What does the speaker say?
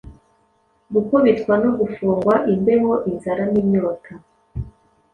Gukubitwa no gufungwa, imbeho, inzara n’inyota,